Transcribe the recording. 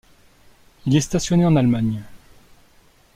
Il est stationné en Allemagne.